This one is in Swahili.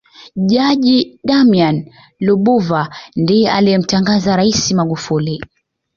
jaji damian lubuva ndiye aliyemtangaza raisi magufuli